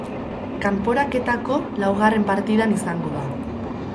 Kanporaketako laugarren partidan izango da.